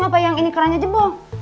atau yang ini kerannya jeboh